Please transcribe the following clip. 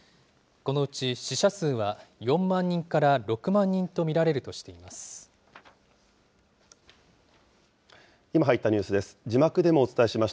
このうち死者数は、４万人から６万人と見られるとしています。